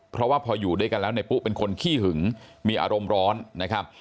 เพราะว่าพออยู่ด้วยกันแล้วในปุ๊เป็นคนขี้หึงมีอารมณ์ร้อนนะครับ